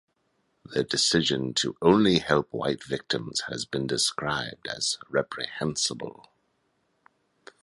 Their decision to only help white victims has been described as "Reprehensible".